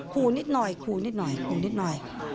คูนิดหน่อยคูนิดหน่อยคูนิดหน่อย